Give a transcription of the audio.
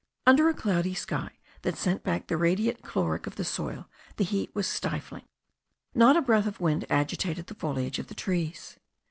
Under a cloudy sky, that sent back the radiant caloric of the soil, the heat was stifling; not a breath of wind agitated the foliage of the trees.